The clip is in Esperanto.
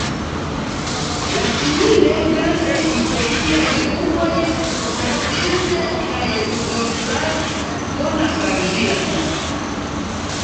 La simile grandaj historiaj urboj Saalfeld kaj Rudolstadt donas al ĝi la nomon.